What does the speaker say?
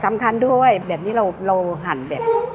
สำคัญด้วยแบบนี้เราหั่นแบบ